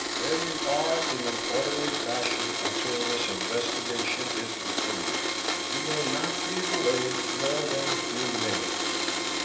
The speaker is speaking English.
Where you are in an orderly fashion until this investigation is concluded. You will not be delayed more than a few minutes.